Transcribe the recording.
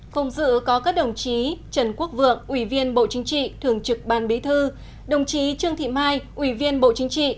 cùng dự có các đồng chí trần quốc vượng ủy viên bộ chính trị thường trực ban bí thư đồng chí trương thị mai ủy viên bộ chính trị